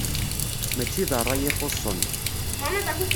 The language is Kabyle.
Mačči d ṛṛay i xuṣṣen.